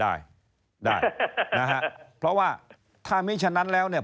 อ้าวได้นะครับเพราะว่าถ้าไม่ฉะนั้นแล้วเนี่ย